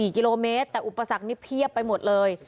๔กิโลเมตรแต่อุปสรรคนี้เพียบไปหมดเลย